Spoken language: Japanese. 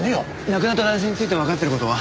亡くなった男性についてわかってる事は？